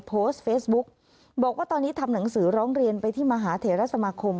โพสต์เฟซบุ๊กบอกว่าตอนนี้ทำหนังสือร้องเรียนไปที่มหาเถระสมาคม